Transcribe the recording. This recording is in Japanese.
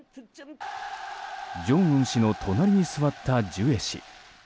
正恩氏の隣に座ったジュエ氏。